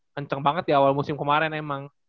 kenceng banget di awal musim kemarin emang